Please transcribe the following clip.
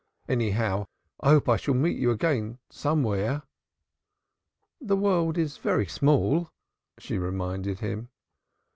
Anyhow I hope I shall meet you again somewhere." "The world is very small," she reminded him.